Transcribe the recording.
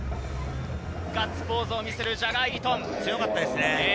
ガッツポーズを見せるジャガー・イートン、強かったですね。